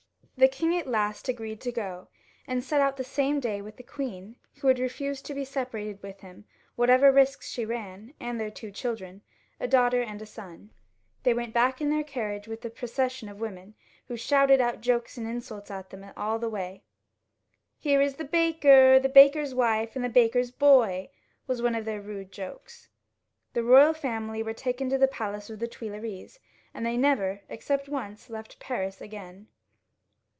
The king at last agreed to go, and set out the same day with the queen, who had refused to be separated from him, whatever risks she ran, and their two children — a daughter and a son. They went back in their carriage with the procession of women, who shouted out jokes and insults at them all the way. "Here is the baker, the baker's wife, and the baker's boy," was one of their rude jokes. The royal family was taken to the palace of the Tuileries, and they never, except once, left Paris again.